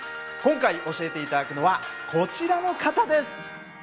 今回教えて頂くのはこちらの方です。